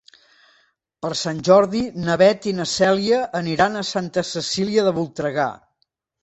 Per Sant Jordi na Beth i na Cèlia iran a Santa Cecília de Voltregà.